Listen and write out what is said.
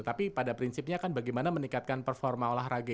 tapi pada prinsipnya kan bagaimana meningkatkan performa olahraga